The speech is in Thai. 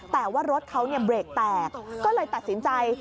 แต่ว่ารถเขาเบรกแตกก็เลยตัดสินใจ